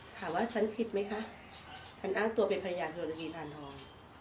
ถามว่าฉันผิดมั้ยคะท่านอ้างตัวเป็นพรยาคต์โยนละทีทางทอง